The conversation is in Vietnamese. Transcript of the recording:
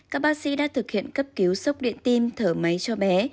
các bác sĩ đã thực hiện cấp cứu sốc điện tim thở máy cho bé